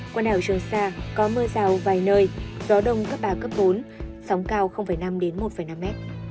quần đảo trường sa có mưa rào vài nơi gió đông cấp ba bốn sóng cao năm một năm m